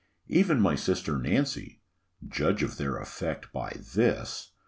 Even my sister Nancy (judge of their effect by this!)